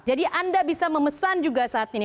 jadi anda bisa memesan juga saat ini